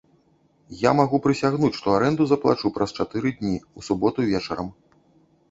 Я магу прысягнуць, што арэнду заплачу праз чатыры дні, у суботу вечарам.